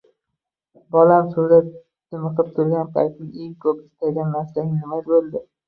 Bolam, suvda dimiqib turgan payting eng koʻp istagan narsang nima boʻldi